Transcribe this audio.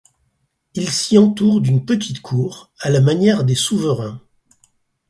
Ils s'y entourent d'une petite cour, à la manière des souverains.